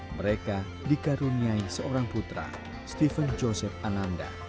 mereka dikaruniai seorang putra stephen joseph ananda